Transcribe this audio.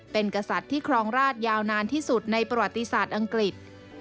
เป็นกษัตริย์ที่ครองราชยาวนานที่สุดในประวัติศาสตร์อังกฤษ